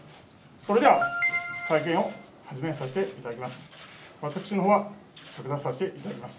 それでは会見を始めさせていただきます。